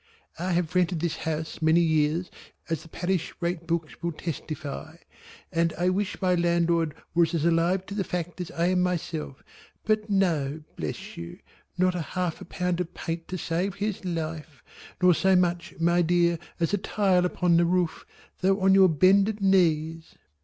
I have rented this house many years, as the parish rate books will testify; and I could wish my landlord was as alive to the fact as I am myself; but no, bless you, not a half a pound of paint to save his life, nor so much, my dear, as a tile upon the roof, though on your bended knees.